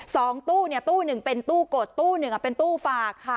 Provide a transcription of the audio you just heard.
สองตู้เนี่ยตู้หนึ่งเป็นตู้กดตู้หนึ่งเป็นตู้ฝากค่ะ